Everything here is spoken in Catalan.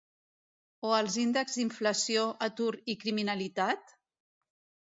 O els índexs d'inflació, atur i criminalitat?